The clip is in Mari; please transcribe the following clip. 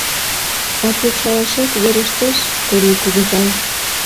Отвечаяшет верештеш, Корий кугызай!